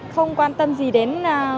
không quan tâm gì đến